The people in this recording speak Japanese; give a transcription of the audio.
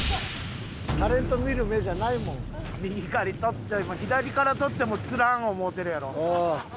右から撮っても左から撮っても釣らん思うてるやろうな。